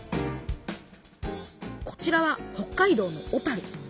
こちらは北海道の小樽。